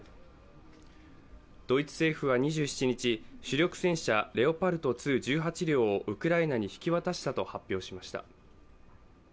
ドイツ政府は２７日、主力戦車レオパルト２、１８両をウクライナに引き渡したと発表しました。